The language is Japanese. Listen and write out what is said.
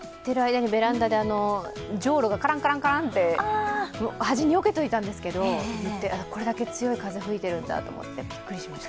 ベランダでじょうろがカランカランって、端によけておいたんですけど、これだけ強い風が吹いてるんだと思ってびっくりしました。